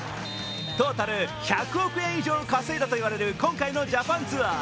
トータル１００億円以上稼いだと言われる今回のジャパンツアー。